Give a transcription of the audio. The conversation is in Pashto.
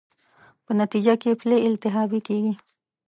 په نتېجه کې پلې التهابي کېږي.